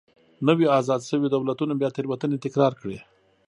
نویو ازاد شویو دولتونو بیا تېروتنې تکرار کړې.